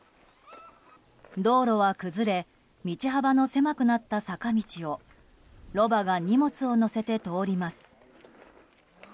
道路は崩れ道幅が狭くなった坂道をロバが荷物を載せて通ります。